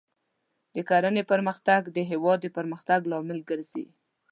د کرنې پرمختګ د هېواد د پرمختګ لامل ګرځي.